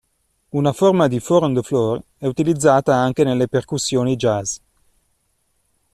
Una forma di "four-on-the-floor" è anche utilizzata nelle percussioni jazz.